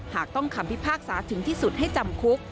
หากต้องคำพิพากษาถึงที่สุดให้จำคุก